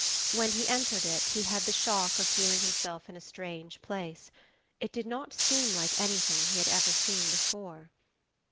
When he entered it he had the shock of feeling himself in a strange place: it did not seem like anything he had ever seen before.